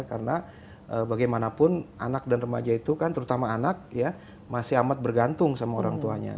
karena bagaimanapun anak dan remaja itu kan terutama anak ya masih amat bergantung sama orang tuanya